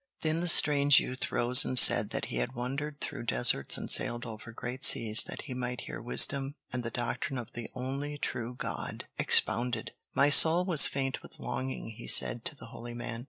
Then the strange youth rose and said that he had wandered through deserts and sailed over great seas that he might hear wisdom and the doctrine of the only true God expounded. "My soul was faint with longing," he said to the holy man.